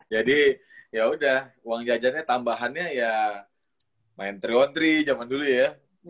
jadi ya udah uang jajannya tambahannya ya main triontri zaman dulu ya